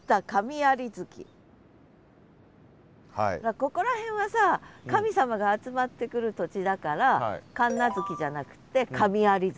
ここら辺はさ神様が集まってくる土地だから神無月じゃなくって神在月。